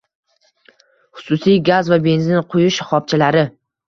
Hususiy gaz va benzin quyish shahobchalari